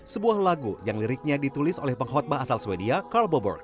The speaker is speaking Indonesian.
sebuah lagu yang liriknya ditulis oleh penghutbah asal swedia carl boberg